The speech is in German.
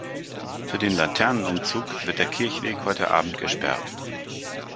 Für den Laternenumzug wird der Kirchweg heute Abend gesperrt.